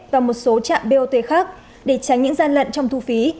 và một số trạm bot khác để tránh những gian lận trong thu phí